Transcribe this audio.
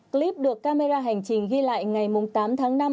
clip được camera hành trình ghi lại ngày tám tháng năm